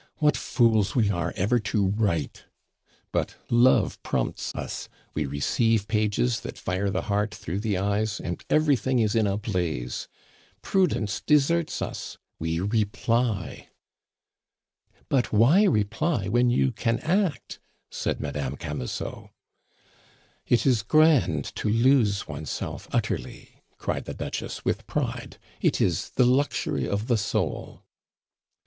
What fools we are ever to write! But love prompts us; we receive pages that fire the heart through the eyes, and everything is in a blaze! Prudence deserts us we reply " "But why reply when you can act?" said Madame Camusot. "It is grand to lose oneself utterly!" cried the Duchess with pride. "It is the luxury of the soul."